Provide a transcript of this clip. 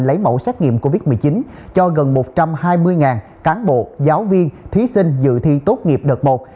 lấy mẫu xét nghiệm covid một mươi chín cho gần một trăm hai mươi cán bộ giáo viên thí sinh dự thi tốt nghiệp đợt một